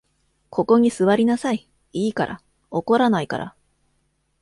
ここに坐りなさい、いいから。怒らないから。